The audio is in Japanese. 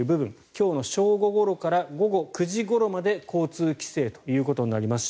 今日の正午ごろから午後９時まで交通規制ということになります。